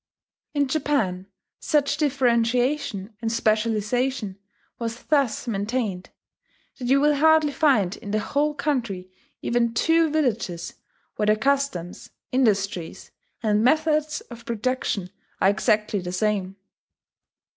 In Japan such differentiation and specialization was thus maintained, that you will hardly find in the whole country even two villages where the customs, industries, and methods of production are exactly the same....